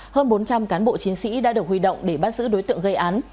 hơn bốn trăm linh cán bộ chiến sĩ đã được huy động để bắt giữ đối tượng gây án